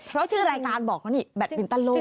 แล้วชื่อรายการบอกว่าแบตมิ้นตั้นโลก